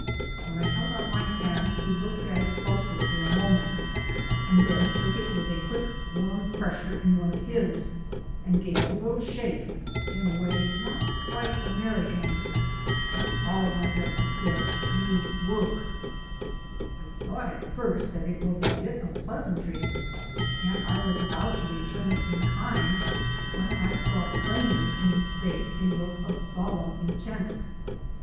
When I held out my hand he looked at it closely for a moment, and then took it with a quick warm pressure in one of his, and gave it a little shake, in a way not quite American. "You are one of us," said he, "you work." I thought at first that it was a bit of pleasantry, and I was about to return it in kind when I saw plainly in his face a look of solemn intent.